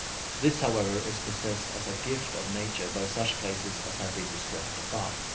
This, however, is possessed as a gift of nature by such places as have been described above.